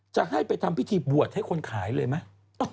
จะให้ไปทำพิธีบวชให้คนขายเลยไหม